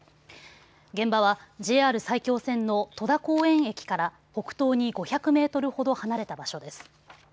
現場はＪＲ埼京線の戸田公園駅から北東に５００メートルほど離れた場所です。